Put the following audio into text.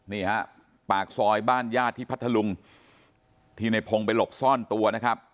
นี่ฮะปากซอยบ้านญาติที่พัทธลุงที่ในพงศ์ไปหลบซ่อนตัวนะครับ